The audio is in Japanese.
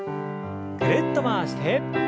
ぐるっと回して。